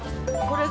これ。